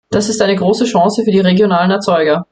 Das ist eine große Chance für die regionalen Erzeuger.